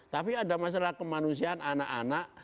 tapi ada masalah kemanusiaan anak anak